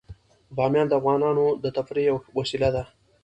بامیان د افغانانو د تفریح یوه وسیله ده.